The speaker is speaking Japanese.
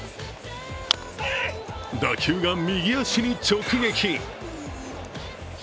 打球が右足に直撃。